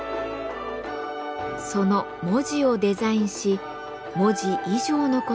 その文字をデザインし文字以上の事を伝える。